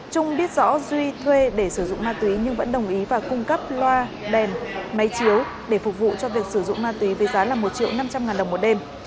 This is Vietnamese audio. trung biết rõ duy thuê để sử dụng ma túy nhưng vẫn đồng ý và cung cấp loa đèn máy chiếu để phục vụ cho việc sử dụng ma túy với giá là một triệu năm trăm linh ngàn đồng một đêm